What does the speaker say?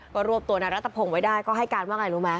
ก็รวบตัวนายรัฐพงศ์ไว้ได้ก็ให้การว่าไงรู้ไหม